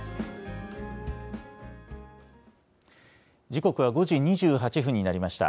時刻は５時２８分になりました。